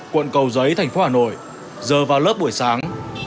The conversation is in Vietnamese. quận cầu giấy thành phố hà nội giờ vào lớp buổi sáng